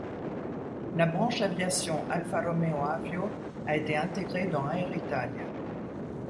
La branche aviation Alfa Romeo Avio a été intégrée dans Aeritalia.